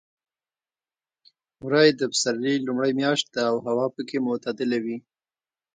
وری د پسرلي لومړۍ میاشت ده او هوا پکې معتدله وي.